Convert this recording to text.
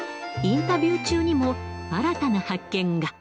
インタビュー中にも、新たな発見が。